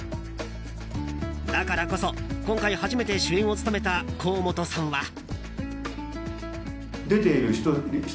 だからこそ、今回初めて主演を務めた甲本さんは。